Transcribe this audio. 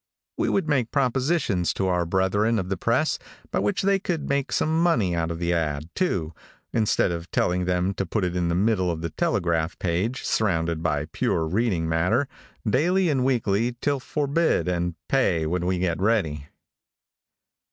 We would make propositions to our brethren of the press by which they could make some money out of the ad, too, instead of telling them to put it in the middle of the telegraph page, surrounded by pure reading matter, daily and weekly till forbid and pay when we get ready.